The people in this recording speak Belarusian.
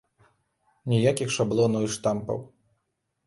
Ніякіх шаблонаў і штампаў!